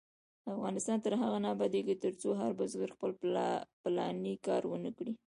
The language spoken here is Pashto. افغانستان تر هغو نه ابادیږي، ترڅو هر بزګر خپل پلاني کار ونکړي.